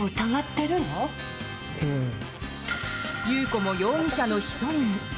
祐子も容疑者の１人に。